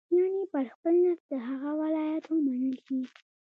یعنې پر خپل نفس د هغه ولایت ومنل شي.